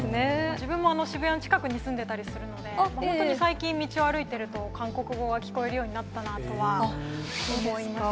自分も渋谷の近くに住んでたりするので、本当に最近、道を歩いてると、韓国語が聞こえるようになったなとは思います。